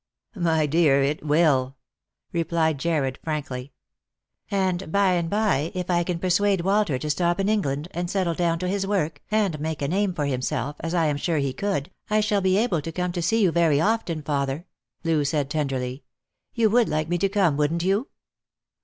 " My dear, it will," replied Jarred frankly. " And by and by, if I can persuade Walter to stop in Eng land, and settle down to his work, and make a name for himself, as I am sure he could, I shall be able to come to see you very often, father," Loo said tenderly. " You would like me to come, wouldn't you